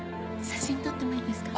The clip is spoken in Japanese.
写真撮ってもいいですか？